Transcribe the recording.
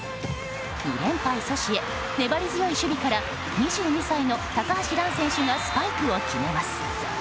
２連敗阻止へ粘り強い守備から２２歳の高橋藍選手がスパイクを決めます。